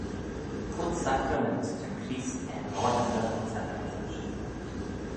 Quoid sacrament ta Creest er n'oardaghey ayns e agglish?